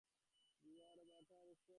আমাকে আমার স্বামীর কাছে যেতে হবে।